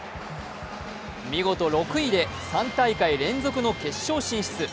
見事６位で３大会連続で決勝進出。